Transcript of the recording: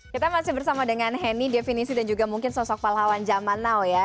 kita masih bersama dengan henny definisi dan juga mungkin sosok pahlawan zaman now ya